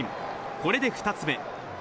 これで２つ目。